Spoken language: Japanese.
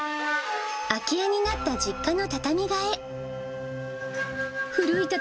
空き家になった実家の畳替え。